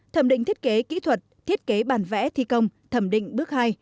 thẩm định thiết kế kỹ thuật thiết kế bản vẽ thi công thẩm định bước hai